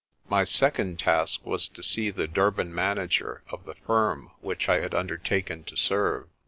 My second task was to see the Durban manager of the firm which I had undertaken to serve.